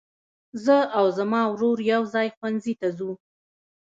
زه او زما ورور يوځای ښوونځي ته ځو.